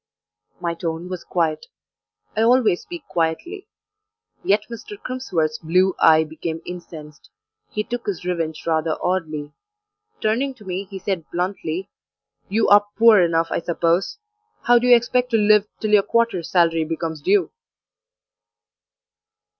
My tone was quiet. I always speak quietly. Yet Mr. Crimsworth's blue eye became incensed; he took his revenge rather oddly. Turning to me he said bluntly "You are poor enough, I suppose; how do you expect to live till your quarter's salary becomes due?"